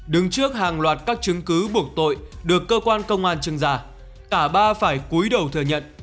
đứng trước hàng loạt các chứng cứ buộc tội được cơ quan công an chứng giả cả ba phải cúi đầu thừa nhận